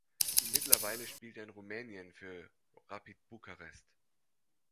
Mittlerweile spielt er in Rumänien für Rapid Bukarest.